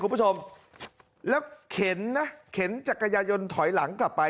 คุณผู้ชมแล้วเข็นนะเข็นจักรยายนถอยหลังกลับไป